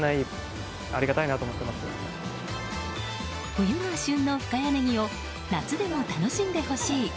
冬が旬の深谷ねぎを夏でも楽しんでほしい。